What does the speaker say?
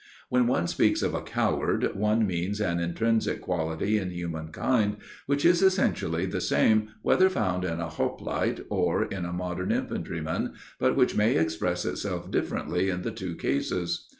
When one speaks of a coward, one means an intrinsic quality in human kind which is essentially the same whether found in a hoplite or in a modern infantryman, but which may express itself differently in the two cases.